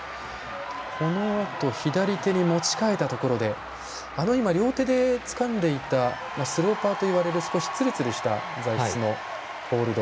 左手に持ち替えたところで両手でつかんでいたスローパーと呼ばれる少しツルツルしたホールド。